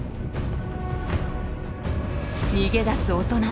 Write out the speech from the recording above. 逃げ出す大人。